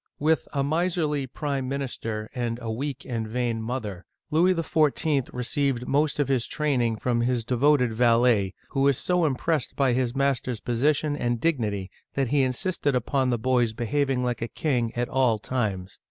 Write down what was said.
With a miserly prime minister and a weak and vain mother, Louis XIV. received most of his training from his devoted valet, who was so impressed by his master's position and dignity that he insisted upon the boy's be having like a king at all times.